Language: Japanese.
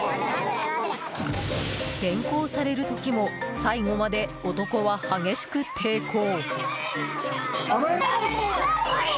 連行される時も最後まで男は激しく抵抗。